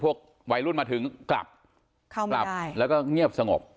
วัยรุ่นมาถึงกลับเข้ากลับแล้วก็เงียบสงบ